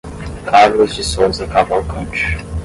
Carlos de Souza Cavalcante